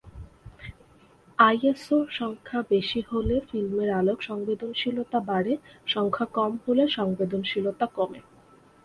ISO সংখ্যা বেশি হলে ফিল্মের আলোক-সংবেদনশীলতা বাড়ে, সংখ্যা কম হলে সংবেদনশীলতা কমে।